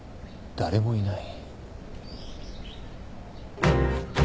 誰もいない。